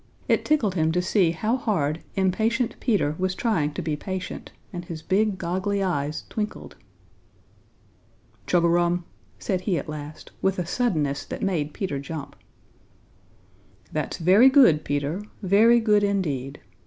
It tickled him to see how hard impatient Peter was trying to be patient, and his big, goggly eyes twinkled. "Chug a rum!" said he at last, with a suddenness that made Peter jump. "That's very good, Peter, very good indeed!